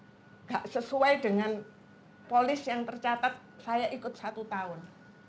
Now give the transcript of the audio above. tidak sesuai dengan polis yang tercatat saya ikut satu tahun